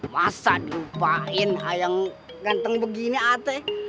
masa diupain yang ganteng begini ate